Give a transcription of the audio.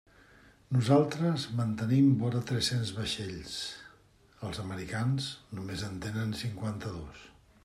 Nosaltres mantenim vora tres-cents vaixells; els americans només en tenen cinquanta-dos.